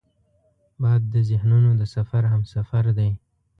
باد د ذهنونو د سفر همسفر دی